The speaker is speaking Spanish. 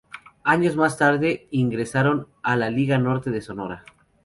Años más adelante ingresaron a la Liga Norte de Sonora.